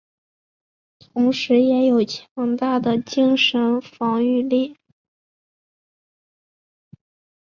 同时也有强大的精神防御力。